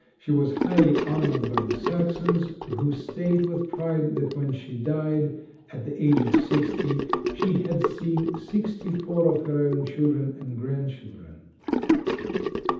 She was highly honored by the Saxons, who state with pride that when she died, at the age of sixty, she had seen sixty four of her own children and grand children.